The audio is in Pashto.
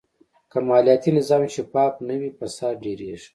که مالیاتي نظام شفاف نه وي، فساد ډېرېږي.